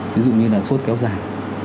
ví dụ như là sốt kéo dài